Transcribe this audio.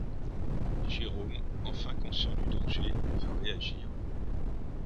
Jérôme, enfin conscient du danger, va réagir.